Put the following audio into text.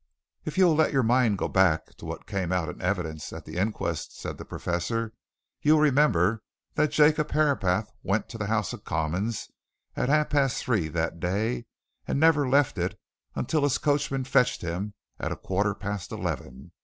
"If you'll let your mind go back to what came out in evidence at the inquest," said the Professor, "you'll remember that Jacob Herapath went to the House of Commons at half past three that day and never left it until his coachman fetched him at a quarter past eleven.